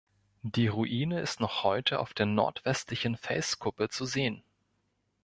Die Ruine ist noch heute auf der nordwestlichen Felskuppe zu sehen.